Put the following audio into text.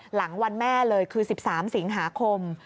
หลังวันแม่เลยคือ๑๓สิงหาคม